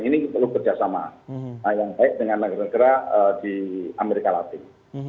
ini perlu bekerja sama yang baik dengan negara negara di amerika latif